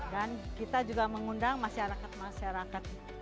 dan kita juga mengundang masyarakat masyarakat